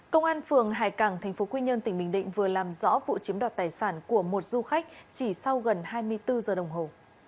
công an phường hải cảng tp quy nhơn tỉnh bình định vừa làm rõ vụ chiếm đoạt tài sản của một du khách chỉ sau gần hai mươi bốn giờ đồng hồ